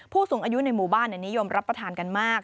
ผู้สูงอายุในหมู่บ้านนิยมรับประทานกันมาก